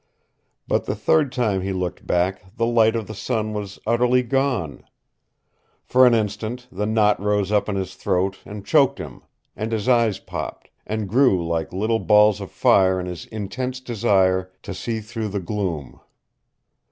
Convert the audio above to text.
But the third time he looked back the light of the sun was utterly gone! For an instant the knot rose up in his throat and choked him, and his eyes popped, and grew like little balls of fire in his intense desire to see through the gloom.